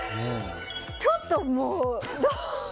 ちょっと、もう。